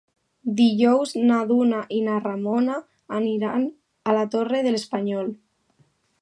Dijous na Duna i na Ramona aniran a la Torre de l'Espanyol.